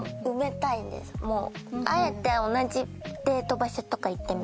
あえて同じデート場所とか行ってみたい。